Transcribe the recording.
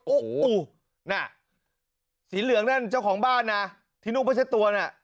อู๋น่ะสีเหลืองนั่นเจ้าของบ้านน่ะที่นุ้งไปเซ็ตตัวน่ะ